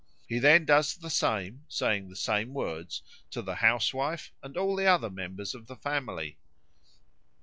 He then does the same, saying the same words, to the housewife and all the other members of the family.